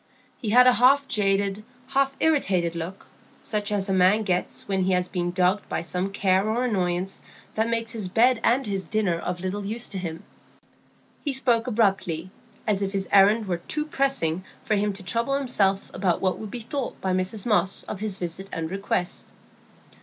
He had a half jaded, half irritated look, such as a man gets when he has been dogged by some care or annoyance that makes his bed and his dinner of little use to him. He spoke almost abruptly, as if his errand were too pressing for him to trouble himself about what would be thought by Mrs Moss of his visit and request.